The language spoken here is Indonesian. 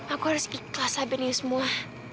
aku harus ikhlas abadi semua